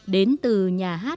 đến từ nhà hát nghệ thuật